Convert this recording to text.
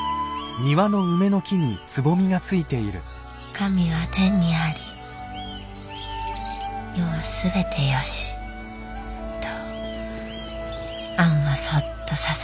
「『神は天にあり世は全てよし』とアンはそっとささやいた」。